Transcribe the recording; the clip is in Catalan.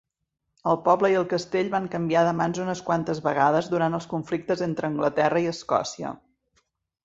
El poble i el castell van canviar de mans unes quantes vegades durant els conflictes entre Anglaterra i Escòcia.